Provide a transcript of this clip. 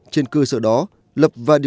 trên cơ sở đó lập và điều trị